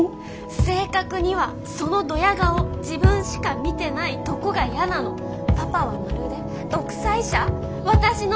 正確にはそのドヤ顔自分しか見てないとこがヤなのパパはまるで独裁者私の生理パパの支配下？